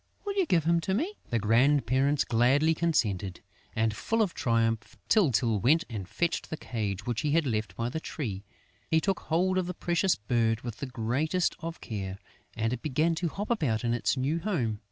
Will you give him to me?" The grandparents gladly consented; and, full of triumph, Tyltyl went and fetched the cage which he had left by the tree. He took hold of the precious bird with the greatest of care; and it began to hop about in its new home.